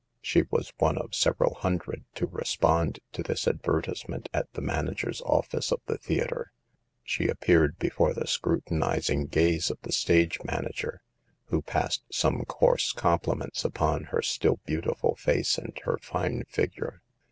She was one of several hundred to respond to this advertise ment at the manager's office of the theater. She appeared before the scrutinizing gaze of the stage manager, who passed some coarse compliments upon her still beautiful face and her fine figure.